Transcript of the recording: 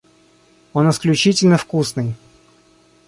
Он исключительно вкусный.